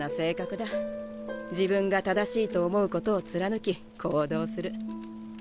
自分が正しいと思うことを貫き行動する。